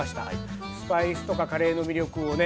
スパイスとかカレーの魅力をね